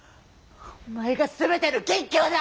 お前が全ての元凶だ！